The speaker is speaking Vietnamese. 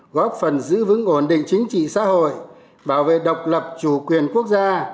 góp phần giữ vững ổn định chính trị xã hội bảo vệ độc lập chủ quyền quốc gia